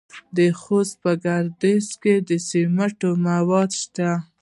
د خوست په ګربز کې د سمنټو مواد شته.